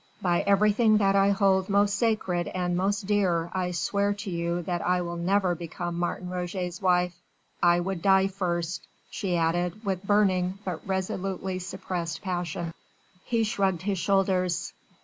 By everything that I hold most sacred and most dear I swear to you that I will never become Martin Roget's wife. I would die first," she added with burning but resolutely suppressed passion. He shrugged his shoulders.